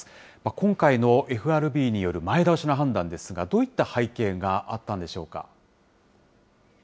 今回のＦＲＢによる前倒しの判断ですが、どういった背景があったんでしょうか。